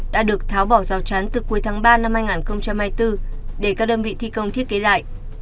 đã được tháo bỏ rào trán từ cuối tháng ba năm hai nghìn hai mươi bốn để các đơn vị thi công thiết kế lại